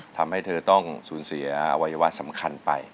ทำให้เธอต้องสูญเสียอวัยวะสำคัญไป